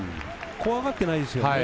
怖がっていないですよね。